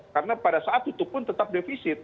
karena pada saat tutup pun tetap defisit